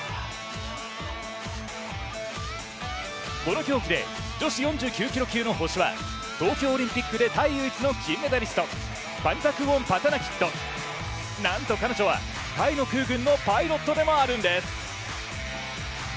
この競技で女子４９キロ級の星は東京オリンピックでタイ唯一の金メダリストパニパック・ウォンパッタナキットなんと彼女はタイの空軍のパイロットでもあるんです。